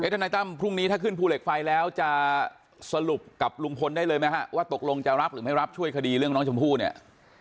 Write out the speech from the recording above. ทนายตั้มพรุ่งนี้ถ้าขึ้นภูเหล็กไฟแล้วจะสรุปกับลุงพลได้เลยไหมฮะว่าตกลงจะรับหรือไม่รับช่วยคดีเรื่องน้องชมพู่เนี่ย